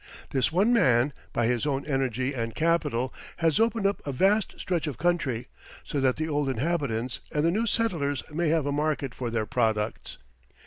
This one man, by his own energy and capital, has opened up a vast stretch of country, so that the old inhabitants and the new settlers may have a market for their products.